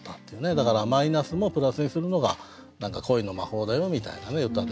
だからマイナスもプラスにするのが何か恋の魔法だよみたいな歌で。